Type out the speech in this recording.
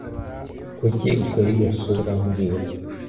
Kuki ukora iyo sura mbwira